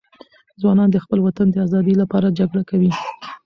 ځوانان د خپل وطن د آزادۍ لپاره جګړه کوي.